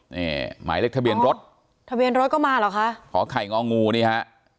นี่หมายเลขทะเบียนรถทะเบียนรถก็มาเหรอคะขอไข่งองูนี่ฮะ